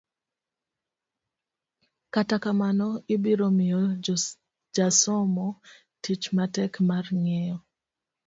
kata kamano, ibiro miyo jasomo tich matek mar ng'eyo